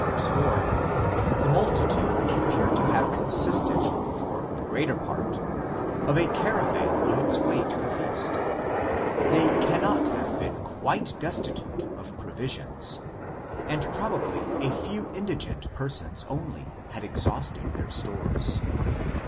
4, the multitude appear to have consisted for the greater part of a caravan on its way to the feast, they cannot have been quite destitute of provisions, and prob ably a few indigent persons only had exhausted their stores.